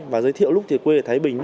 và giới thiệu lúc thì quê thái bình